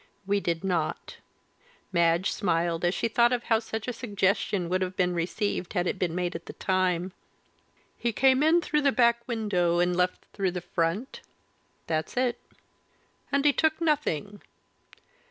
"We did not." Madge smiled as she thought of how such a suggestion would have been received had it been made at the time. "He came in through the back window and left through the front?" "That's it." "And he took nothing?"